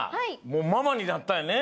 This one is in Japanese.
もうママになったよね。